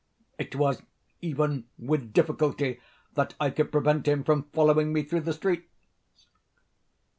It was even with difficulty that I could prevent him from following me through the streets.